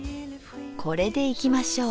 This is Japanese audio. これでいきましょう。